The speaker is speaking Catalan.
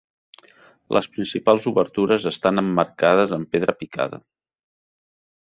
Les principals obertures estan emmarcades amb pedra picada.